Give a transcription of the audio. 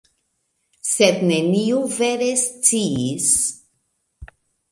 Sed neniu vere sciis.